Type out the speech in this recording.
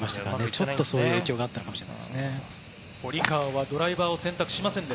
ちょっとその影響があったかもしれません。